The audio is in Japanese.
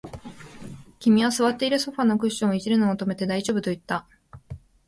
君は座っているソファーのクッションを弄るのを止めて、大丈夫と言った